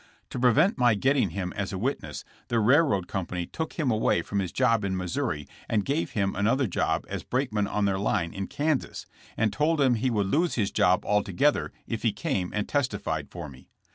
To prevent my getting him as a witness the railroad company took him away from his job in Missouri and gave him another job as brakeman on their line in Kansas, and told him he would lose his job altogether if he came and testified for me.